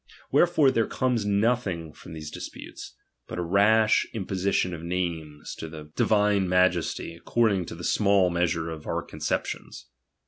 Wherefore there comes nothing from these disputes, but a rash imposition of names to the 218 RELIGION. . divine Majesty according to the small measure of^ our conceptions.